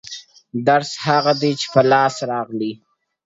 درسته هغه ده چي په لاس درغله.